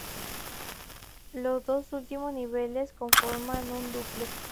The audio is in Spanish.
Los dos últimos niveles conforman un "dúplex".